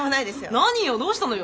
何よどうしたのよ？